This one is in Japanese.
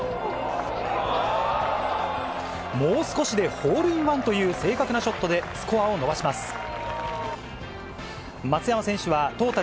もう少しでホールインワンという正確なショットでスコアを伸ばします。